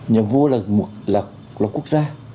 nhà vua là một quốc gia